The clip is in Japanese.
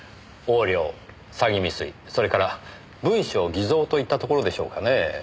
横領詐欺未遂それから文書偽造といったところでしょうかねえ。